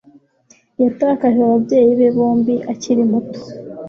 Yatakaje ababyeyi be bombi akiri muto.